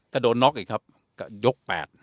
ก็โดนน็อกอีกครับก็ยก๘